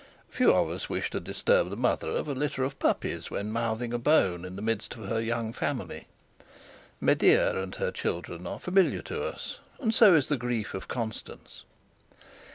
Few of us wish to disturb the mother of a litter of puppies when mouthing a bone in the midst of her young family. Medea and her children are familiar to us, and so is the grief of Constance.